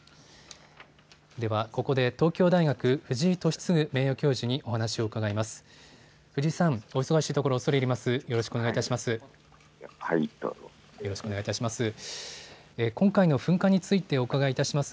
ではここで東京大学、藤井敏嗣名誉教授にお話を伺います。